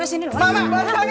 ah biar ini mak